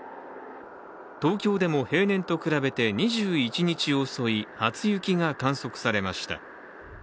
東京でも平年と比べて２１日遅い初雪が観測されました。